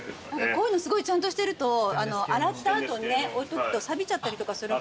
こういうのすごいちゃんとしてると洗った後に置いとくとさびちゃったりとかする。